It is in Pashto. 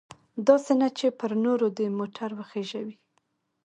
داسې نه چې پر نورو دې موټر وخیژوي.